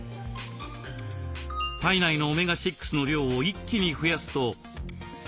体内のオメガ６の量を一気に増やすと。